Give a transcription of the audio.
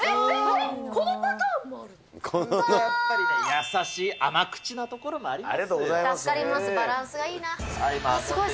優しい甘口なところもあります。